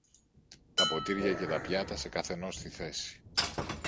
τα ποτήρια και τα πιάτα σε καθενός τη θέση.